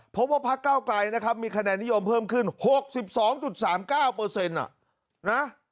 เพราะว่าพักเก้าไกลนะครับมีคะแนนนิยมเพิ่มขึ้น๖๒๓๙นะ